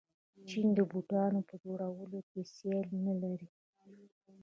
چین د بوټانو په جوړولو کې سیال نلري.